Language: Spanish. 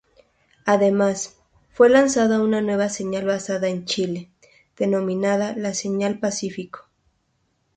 Además, fue lanzado una nueva señal basada en Chile, denominada la señal Pacífico.